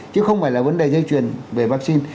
chứ không phải là vấn đề dây chuyền về vaccine